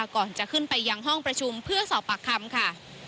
ก่อนจะขึ้นไปยังห้องประชุมเพื่อสอบปากคำค่ะ